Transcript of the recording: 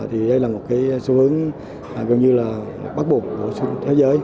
thì đây là một số hướng gần như là bắt buộc của thế giới